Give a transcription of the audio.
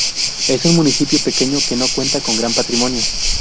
Es un municipio pequeño que no cuenta con gran patrimonio.